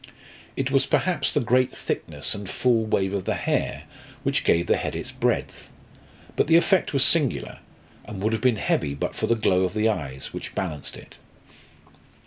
It was perhaps the great thickness and full wave of the hair which gave the head its breadth; but the effect was singular, and would have been heavy but for the glow of the eyes, which balanced it.